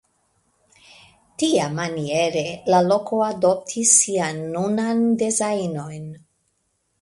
Tiamaniere la loko adoptis sian nunan dezajnon.